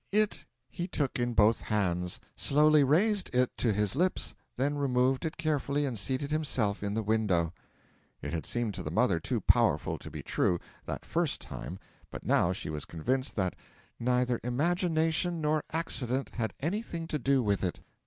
'It he took in both hands, slowly raised it to his lips, then removed it carefully, and seated himself in the window.' It had seemed to the mother too wonderful to be true, that first time; but now she was convinced that 'neither imagination nor accident had anything to do with it.'